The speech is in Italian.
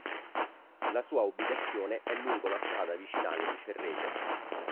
La sua ubicazione è lungo la strada vicinale di Cerreto.